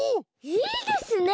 いいですね。